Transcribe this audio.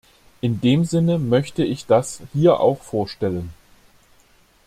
In dem Sinne möchte ich das hier auch vorstellen.